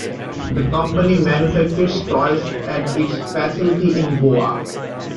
The company manufactures toys at its facility in Goa.